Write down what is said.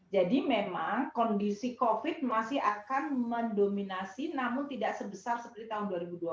jadi memang kondisi covid masih akan mendominasi namun tidak sebesar seperti tahun dua ribu dua puluh